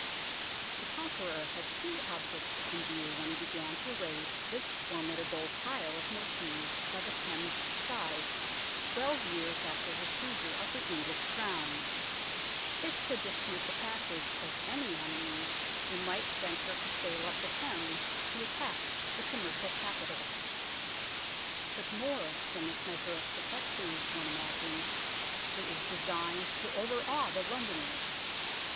The Conqueror had two objects in view when he began to raise this formidable pile of masonry by the Thames side twelve years after his seizure of the English Crown. It should dispute the passage of any enemy who 13 14 THE TOWER OF LONDON might venture to sail up the Thames to attack the commercial capital. But, more than this measure of protection, one imagines, it was designed to overawe the Londoners.